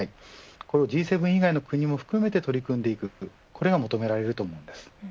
これをＧ７以外の国も含めて取り組んでいくことが求められます。